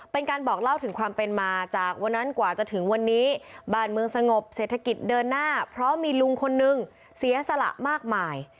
เป็นการบอกเล่าถึงความเป็นมาจากวันนั้นกว่าจะถึงวันนี้บ้านเมืองสงบเศรษฐกิจเดินหน้าเพราะมีลุงคนนึงเสียสละมากมาย